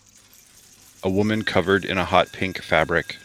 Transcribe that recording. A woman covered in a hot pink fabric.